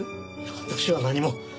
私は何も。